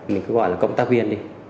mình cứ gọi là công tác viên đi